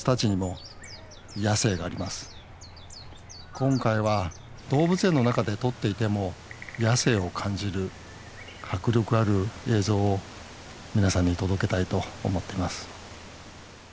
今回は動物園の中で撮っていても野性を感じる迫力ある映像を皆さんに届けたいと思っています